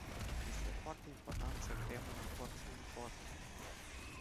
Este foarte important să creăm un acord uniform.